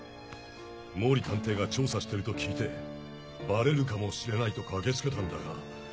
毛利探偵が調査してると聞いてバレるかもしれないと駆けつけたんだが。